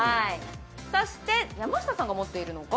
そして山下さんが持っているのが？